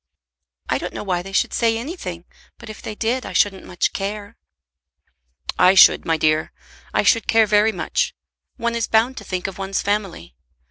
"I don't know why they should say anything, but if they did I shouldn't much care." "I should, my dear. I should care very much. One is bound to think of one's family.